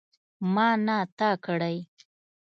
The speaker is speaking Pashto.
ما نه تا کړی.